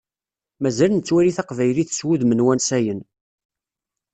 Mazal nettwali taqbaylit s wudem n wansayen.